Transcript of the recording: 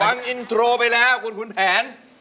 ฟังอินโทรไปแล้วคุณคุณแผน